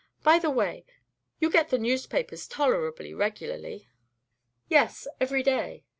By the way, you get the newspapers tolerably regularly?" "Yes, every day."